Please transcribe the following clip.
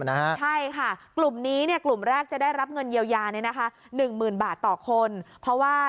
ใช่ค่ะกลุ่มนี้กลุ่มแรกจะได้รับเงินเยียวยา